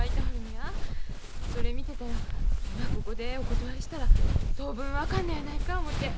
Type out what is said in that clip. それ見てたら今ここでお断りしたら当分あかんのやないか思て。